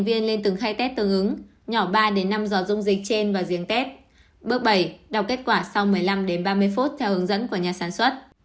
bước sáu đọc kết quả sau một mươi năm ba mươi phút theo hướng dẫn của nhà sản xuất